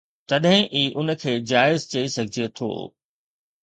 تڏهن ئي ان کي جائز چئي سگهجي ٿو